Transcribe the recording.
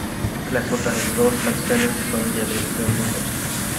Las otras dos canciones son de atribución dudosa.